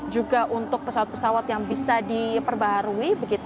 juga untuk pesawat pesawat yang bisa diperbaharui